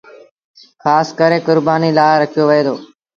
کآس ڪري ڪربآݩيٚ لآ رکيو وهي دو۔